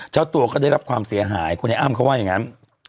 ชาวตัวเขาได้รับความเสียหายคุณให้อ้ามเขาว่าอย่างนั้น